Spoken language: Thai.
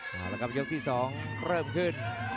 นี่แหละครับยกที่สองพยังเริ่มขึ้น